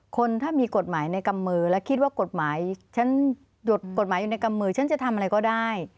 คนถ้ามีกฎหมายในกำมือแล้วคิดว่ากฎหมายฉันหดกฎหมายอยู่ในกำมือฉันจะทำอะไรก็ได้